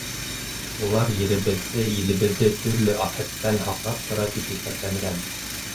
Улар еребеҙҙе, илебеҙҙе төрлө афәттән һаҡлап тора, тип иҫәпләнгән.